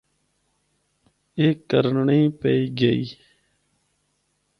اے کرنڑیں پئے گئی۔